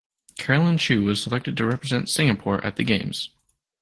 Caroline Chew was selected to represent Singapore at the Games.